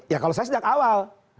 ya kalau saya sejak awal